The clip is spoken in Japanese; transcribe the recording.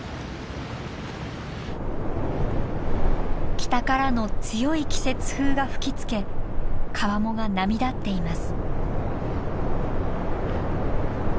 北からの強い季節風が吹きつけ川面が波立っています。